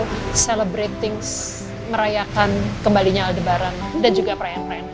tinginan lama saya untuk celebrating merayakan kembalinya aldebaran dan juga perayaan perayaan lain